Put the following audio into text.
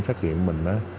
xác hiện mình đó